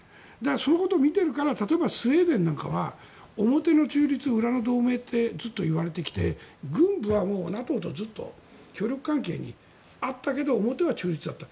そういうことを見ているから例えばスウェーデンなんかは表の中立、裏の同盟ってずっといわれてきて、軍部はＮＡＴＯとずっと協力関係にあったけど表は中立だった。